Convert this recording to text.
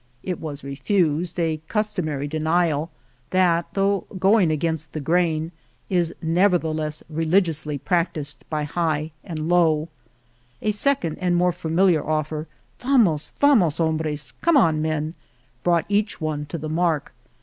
It was refused, a customary denial, that, though going against the grain, is nevertheless re ligiously practised by high and low, A sec 23 Argamasilla ond and more familiar offer, " Vamos, vamos hombres "(" Come on, men "), brought each one to the mark.